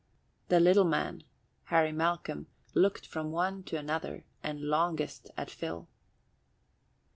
The little man, Harry Malcolm, looked from one to another and longest at Phil.